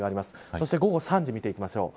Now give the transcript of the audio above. そして午後３時見ていきましょう。